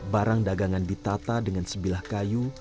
barang dagangan ditata dengan sebilah kayu